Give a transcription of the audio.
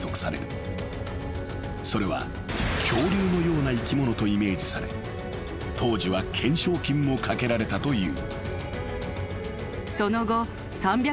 ［それは恐竜のような生き物とイメージされ当時は懸賞金も懸けられたという］